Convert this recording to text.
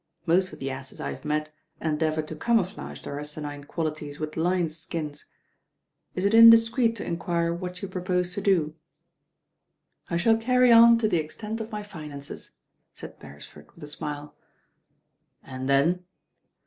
Most of the asses I have met endeavour to camouflage their asinine qualities with lions' skins. Is it indiscreet to enquire what you propose to do?" "I shall carry on to the extent of my finances." •aid Bcresford with a smile. "And then?"